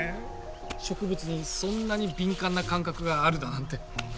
植物にそんなに敏感な感覚があるだなんて。